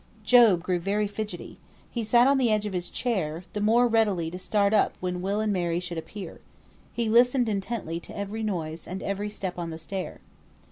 Job grew very fidgetty. He sat on the edge of his chair, the more readily to start up when Will and Mary should appear. He listened intently to every noise and every step on the stair.